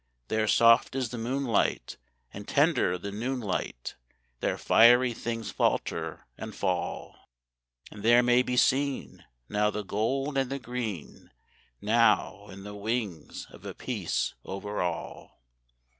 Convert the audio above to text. There soft is the moonlight, and tender the noon light; There fiery things falter and fall; And there may be seen, now, the gold and the green, now, And the wings of a peace over all.